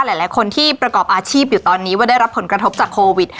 หลายคนที่ประกอบอาชีพอยู่ตอนนี้ว่าได้รับผลกระทบจากโควิด